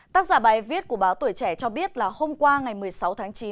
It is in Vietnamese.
tác giả bài viết của báo tuổi trẻ cho biết là hôm qua ngày một mươi sáu tháng chín